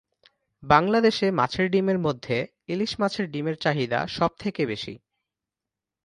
বাংলাদেশে মাছের ডিমের মধ্যে ইলিশ মাছের ডিমের চাহিদা সব থেকে বেশি।